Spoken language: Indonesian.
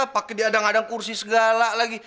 paket di adang adang kursi segala lagi